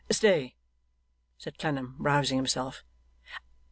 'Stay!' said Clennam, rousing himself.